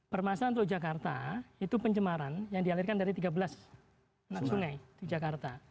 permasalahan untuk jakarta itu pencemaran yang dialirkan dari tiga belas sungai di jakarta